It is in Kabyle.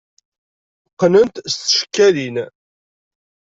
Qqnen-t s tcekkalin.